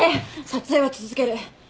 撮影は続ける。